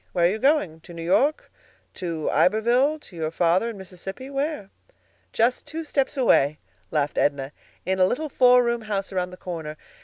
Where are you going? to New York? to Iberville? to your father in Mississippi? where?" "Just two steps away," laughed Edna, "in a little four room house around the corner.